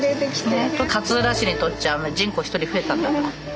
ほんと勝浦市にとっちゃ人口１人増えたんだから。